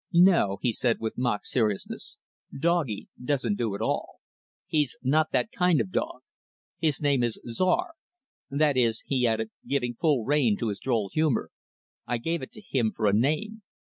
"No," he said with mock seriousness, "'doggie,' doesn't do at all. He's not that kind of a dog. His name is Czar. That is" he added, giving full rein to his droll humor "I gave it to him for a name.